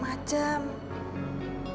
semua kan juga kepentingan